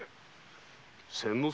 千之助？